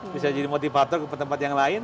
bisa jadi motivator ke tempat yang lain